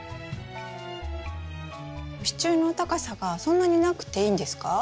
支柱の高さがそんなになくていいんですか？